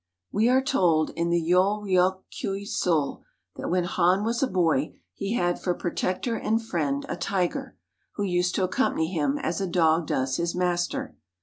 We are told in the Yol ryok Keui sul that when Han was a boy he had for protector and friend a tiger, who used to accompany him as a dog does his master.